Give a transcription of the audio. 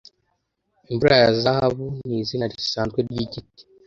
Imvura ya Zahabu nizina risanzwe ryigiti